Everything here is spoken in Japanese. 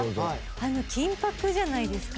あの金箔じゃないですか？